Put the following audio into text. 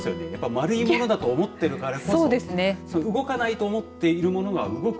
丸いものだと思ってるからこそ動かないと思っているものが動く。